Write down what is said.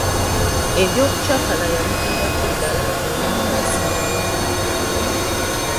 Eby'okucakala yabiviirako ddala era ng'asiiba waka.